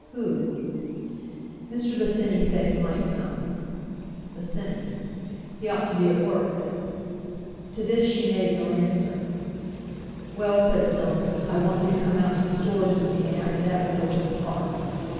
"Who?" "Mr. Bosinney said he might come." "Bosinney. He ought to be at work." To this she made no answer. "Well," said Soames, "I want you to come out to the Stores with me, and after that we'll go to the Park."